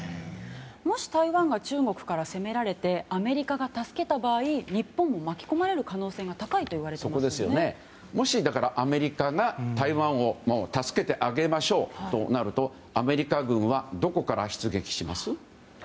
もし台湾が中国から攻められてアメリカが助けた場合日本が巻き込まれる可能性がもしアメリカが台湾を助けてあげましょうとなるとアメリカ軍はどこから出撃します？